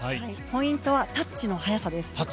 ポイントはタッチの早さです。